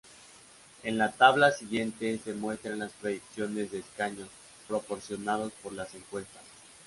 En la tabla siguiente se muestran las proyecciones de escaños proporcionadas por las encuestas.